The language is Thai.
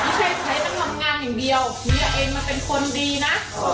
ไม่ใช่ใครต้องทำงานอย่างเดียวเมียเองมันเป็นคนดีนะ